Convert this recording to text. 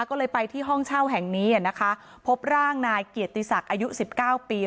ก็เลยไปที่ห้องเช่าแห่งนี้นะคะพบร่างนายเกียรติศักดิ์อายุสิบเก้าปี